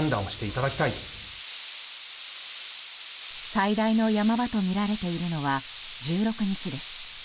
最大の山場とみられているのは１６日です。